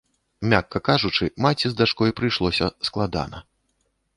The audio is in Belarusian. Мякка кажучы, маці з дачкой прыйшлося складана.